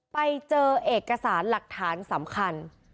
ไปเจอเอกสารหลักฐานสำคัญ